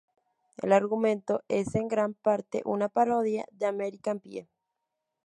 El argumento es en gran parte una parodia de "American Pie".